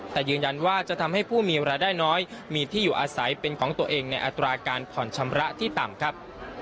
แต่ยืนยันว่าจะทำให้ผู้มีรายได้น้อยมีที่อยู่อาศัยเป็นของตัวเองในอัตราการผ่อนชำระที่ต่ำครับ